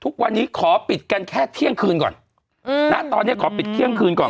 ทุกวันนี้ขอปิดกันแค่เที่ยงคืนก่อนอืมณตอนเนี้ยขอปิดเที่ยงคืนก่อน